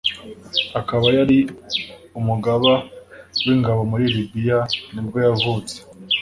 akaba yari umugaba w’ingabo muri Libya nibwo yavutse